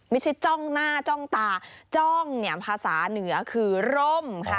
จ้องหน้าจ้องตาจ้องเนี่ยภาษาเหนือคือร่มค่ะ